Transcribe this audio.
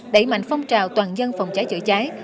đẩy mạnh phong trào toàn dân phòng cháy chữa cháy